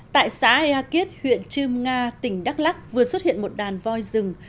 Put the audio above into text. tại xã eakiet huyện trương nga tỉnh đắk lắc vừa xuất hiện một đàn voi rừng